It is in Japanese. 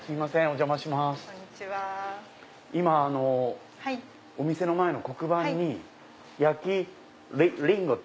今お店の前の黒板に焼きリィンゴって。